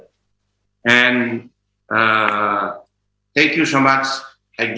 dan terima kasih banyak banyak